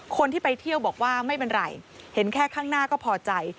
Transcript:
คนที่ไปเที่ยวบอกว่าไม่เป็นไรเห็นแค่ข้างหน้าก็พอใจ